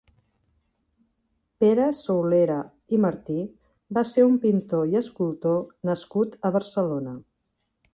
Pere Soulere i Martí va ser un pintor i escultor nascut a Barcelona.